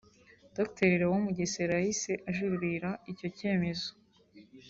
Dr Léon Mugesera yahise ajuririra icyo cyemezo